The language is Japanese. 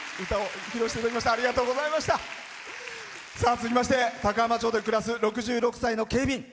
続きまして高浜町で暮らす６６歳の警備員。